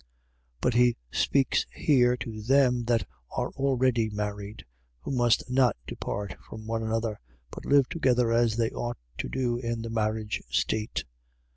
But he speaks here to them that are already married; who must not depart from one another, but live together as they ought to do in the marriage state.